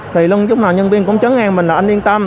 thì lúc nào nhân viên cũng chấn ngang mình là anh liên tâm